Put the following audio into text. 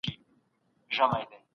اقتصادي پالیسۍ باید د خلګو په ګټه وي.